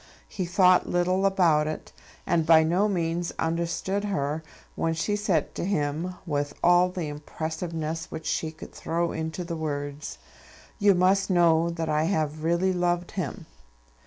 He thought little about it, and by no means understood her when she said to him, with all the impressiveness which she could throw into the words, "You must know that I have really loved him."